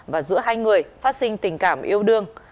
và giữa hai người phát sinh tình cảm yêu đương